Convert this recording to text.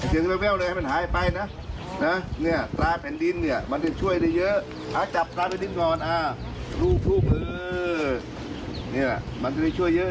โรงมือร้อนม่นไม่ได้หาย